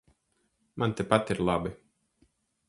Man tepat ir labi.